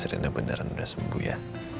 dan benar benar sudah sembuh ya